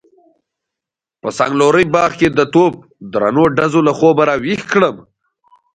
په څنګلوري باغ کې د توپ درنو ډزو له خوبه راويښ کړم.